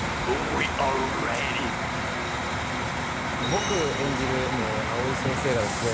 僕演じる藍井先生がですね